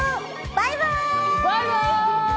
バイバイ！